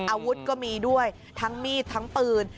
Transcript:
อาวุธก็มีด้วยทั้งมีดทั้งปืน